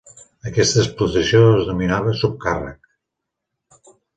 Aquesta explotació es denominava subcàrrec.